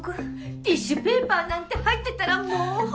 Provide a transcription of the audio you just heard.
ティッシュペーパーなんて入ってたらもう。